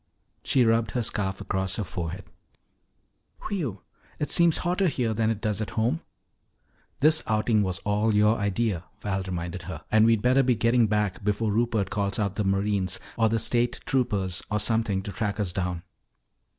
She rubbed her scarf across her forehead. "Whew! It seems hotter here than it does at home." "This outing was all your idea," Val reminded her. "And we'd better be getting back before Rupert calls out the Marines or the State Troopers or something to track us down."